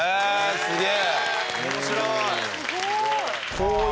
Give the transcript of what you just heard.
すごい。